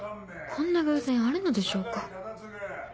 こんな偶然あるのでしょうか